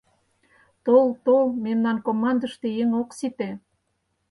— Тол, тол, мемнан командыште еҥ ок сите.